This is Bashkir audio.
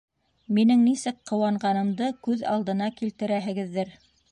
Минең нисек ҡыуанғанымды күҙ алдына килтерәһегеҙҙер.